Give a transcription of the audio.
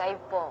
１本。